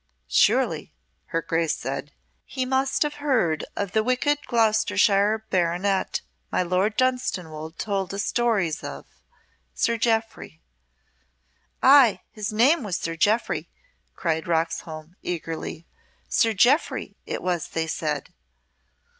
"Surely," her Grace said, "he must have heard of the wicked Gloucestershire baronet my Lord Dunstanwolde told us stories of Sir Jeoffry." "Ay, his name was Sir Jeoffry," cried Roxholm, eagerly. "Sir Jeoffry it was they said."